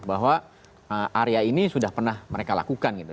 bahwa area ini sudah pernah mereka lakukan gitu